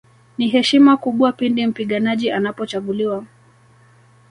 Ni heshima kubwa pindi mpiganaji anapochaguliwa